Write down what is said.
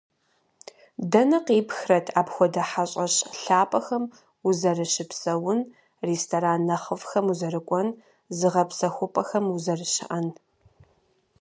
Дэнэ къипхрэт апхуэдэ хьэщӀэщ лъапӀэхэм узэрыщыпсэун, ресторан нэхъыфӀхэм узэрыкӀуэн, зыгъэпсэхупӀэхэм узэрыщыӀэн?